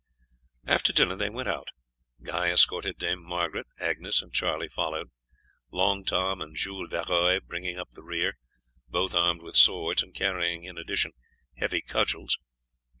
After dinner they went out. Guy escorted Dame Margaret, Agnes and Charlie followed, Long Tom and Jules Varoy bringing up the rear, both armed with swords and carrying in addition heavy cudgels.